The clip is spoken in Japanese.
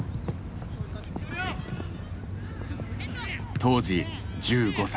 当時１５歳。